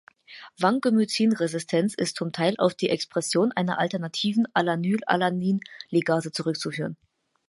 Vancomycin-Resistenz ist zum Teil auf die Expression einer alternativen -Alanyl:-Alanin-Ligase zurückzuführen.